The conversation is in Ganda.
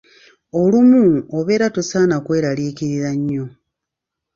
Olumu obeera tosaana kweraliikirira nnyo.